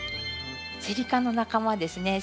セリ科の仲間ですね。